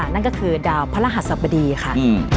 นั่นก็คือดาวพระรหัสสบดีค่ะ